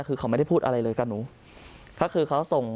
คือเขาไม่ได้พูดอะไรเลยกับหนูก็คือเขาส่ง